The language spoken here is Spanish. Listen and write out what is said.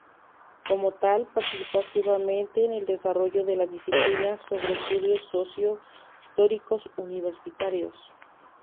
Como tal, participó activamente en el desarrollo de la disciplina sobre estudios socio-históricos universitarios.